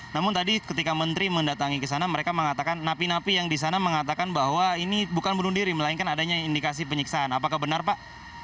namun tadi ketika menteri mendatangi ke sana mereka mengatakan napi napi yang di sana mengatakan bahwa ini bukan bunuh diri melainkan adanya indikasi penyiksaan apakah benar pak